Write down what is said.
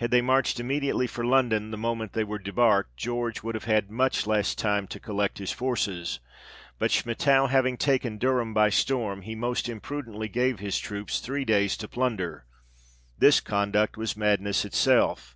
Had they marched immediately for London the moment they were debarked, George would have had much less time to collect his forces ; but Schmettau having taken Durham by storm, he most imprudently gave his troops three days to plunder ; this conduct was madness itself.